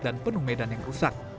dan penuh medan yang rusak